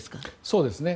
そうですね。